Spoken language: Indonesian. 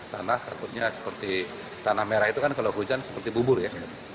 tanah takutnya seperti tanah merah itu kan kalau hujan seperti bubur ya